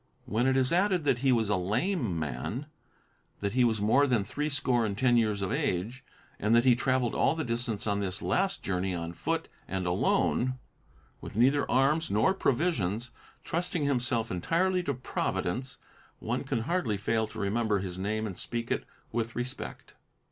When it is added that he was a lame man, that he was more than threescore and ten years of age, and that he traveled all the distance on this last journey on foot and alone, with neither arms nor provisions, trusting himself entirely to Providence, one can hardly fail to remember his name and speak it with respect.